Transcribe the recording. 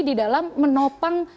di dalam menopang